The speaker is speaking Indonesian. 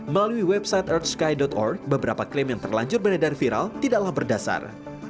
melalui website earthsky org beberapa klaim yang terlanjur beredar viral tidaklah berdasar